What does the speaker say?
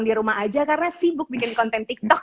di rumah aja karena sibuk bikin konten tiktok